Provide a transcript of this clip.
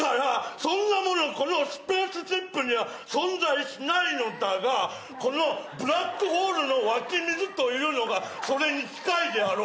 そんなものこのスペースシップには存在しないのだが、このブラックホールの湧き水というのがそれに近いであろう。